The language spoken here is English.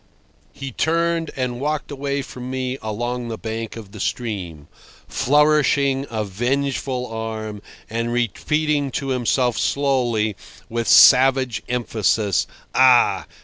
He turned and walked away from me along the bank of the stream, flourishing a vengeful arm and repeating to himself slowly, with savage emphasis: "Ah!